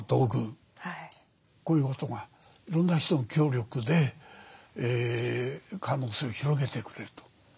こういうことがいろんな人の協力で可能性を広げてくれると。